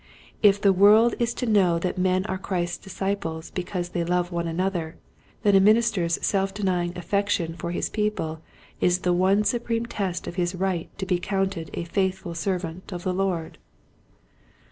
If the world is to know that men are Christ's disciples be cause they love one another then a minis ter's self denying affection for his people is the one supreme test of his right to be counted a faithful servant of the Lord.